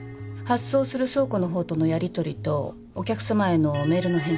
発送する倉庫の方とのやりとりとお客さまへのメールの返信。